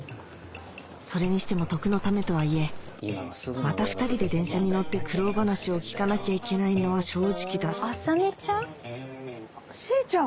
それにしても徳のためとはいえまた２人で電車に乗って苦労話を聞かなきゃいけないのは正直だる麻美ちゃん？